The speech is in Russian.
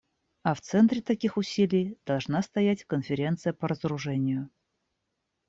А в центре таких усилий должна стоять Конференция по разоружению.